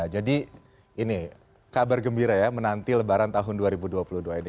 jadi ini kabar gembira ya menanti lebaran tahun dua ribu dua puluh dua ini